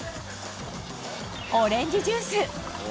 オレンジジュース